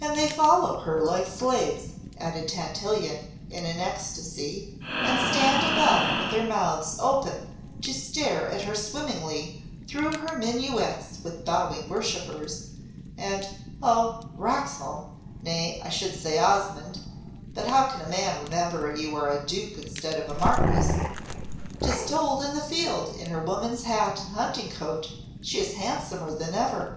"And they follow her like slaves," added Tantillion, in an ecstacy, "and stand about with their mouths open to stare at her swimming though her minuets with bowing worshippers, and oh! Roxholm nay, I should say Osmonde; but how can a man remember you are Duke instead of Marquis? 'tis told that in the field in her woman's hat and hunting coat she is handsomer than ever.